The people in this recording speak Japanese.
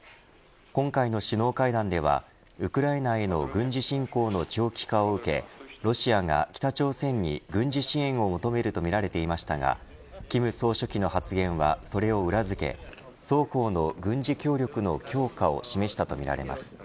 今回の首脳会談ではウクライナへの軍事侵攻の長期化を受けロシアが北朝鮮に軍事支援を求めるとみられていましたが金総書記の発言は、それを裏付け双方の軍事協力の強化を示したとみられます。